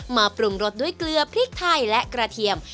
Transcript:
ปรุงรสด้วยเกลือพริกไทยและกระเทียม